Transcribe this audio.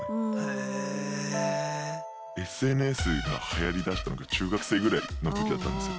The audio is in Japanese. ＳＮＳがはやりだしたのが中学生ぐらいの時だったんですよ。